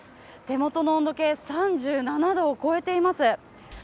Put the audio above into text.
手元の温度計、３７度を超えています